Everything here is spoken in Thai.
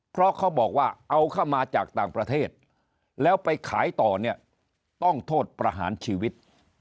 เพราะเขาบอกว่าเอาเข้ามาจากต่างประเทศแล้วไปขายต่อเนี่ยต้องโทษประหารชีวิต